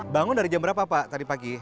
bangun dari jam berapa pak tadi pagi